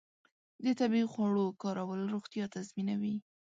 د طبیعي خوړو کارول روغتیا تضمینوي.